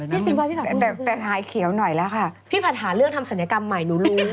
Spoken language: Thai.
ซิมว่าพี่ผัดแต่หายเขียวหน่อยแล้วค่ะพี่ผัดหาเรื่องทำศัลยกรรมใหม่หนูรู้